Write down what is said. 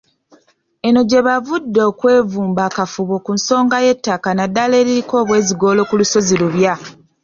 Eno gye baavudde okwevumba akafubo ku nsonga y'ettaka naddala eririko obwezigoolo ku lusozi Lubya.